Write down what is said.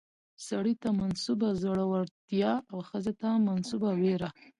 سړي ته منسوبه زړورتيا او ښځې ته منسوبه ويره